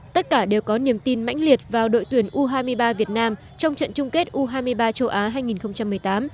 tất cả đều có niềm tin mãnh liệt vào đội tuyển u hai mươi ba việt nam trong trận chung kết u hai mươi ba châu á hai nghìn một mươi tám